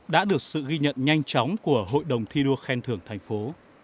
đã được sự ghi nhận nhanh chóng của hội đồng thi đua khen thưởng thành phố